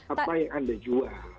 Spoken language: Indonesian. apa yang anda jual